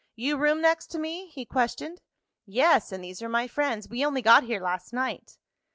"You room next to me?" he questioned. "Yes, and these are my friends. We only got here last night."